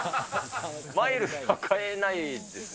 マイルでは買えないです。